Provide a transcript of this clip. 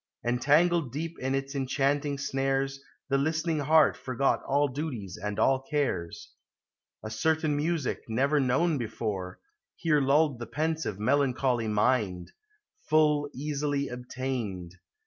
123 Entangled deep in its enchanting snares, The listening heart forgot all duties and all cares. A certain music, never known before, Here lulled the pensive, melancholy mind ; Full easily obtained.